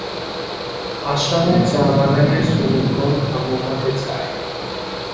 আসামে চা বাগানের শ্রমিকগণ ধর্মঘটে যায়।